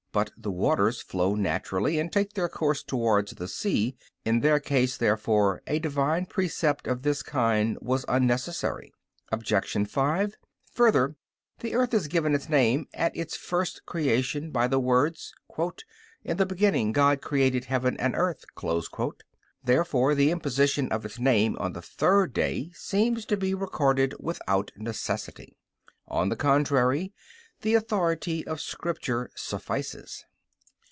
But the waters flow naturally, and take their course towards the sea. In their case, therefore, a Divine precept of this kind was unnecessary. Obj. 5: Further, the earth is given its name at its first creation by the words, "In the beginning God created heaven and earth." Therefore the imposition of its name on the third day seems to be recorded without necessity. On the contrary, The authority of Scripture suffices.